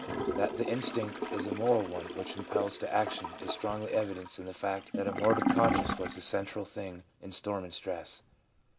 That the instinct is a moral one which impels to action is strongly evidenced in the fact that a morbid conscience was the central thing in storm and stress.